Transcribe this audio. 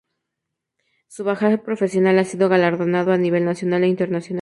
Su bagaje profesional ha sido galardonado a nivel nacional e internacional.